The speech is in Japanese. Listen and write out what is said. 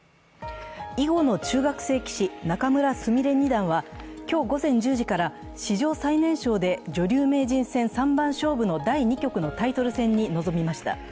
囲碁の中学生棋士・仲邑菫二段は、今日午前１０時から史上最年少で女流名人戦三番勝負の第２局のタイトル戦に臨みました。